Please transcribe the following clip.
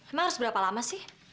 emang harus berapa lama sih